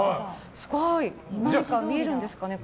すごい！何か見えるんですかね。